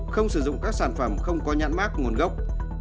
không sử dụng các sản phẩm không có nhãn mát nguồn gốc